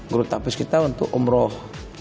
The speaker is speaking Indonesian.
guru takfis kita untuk umroh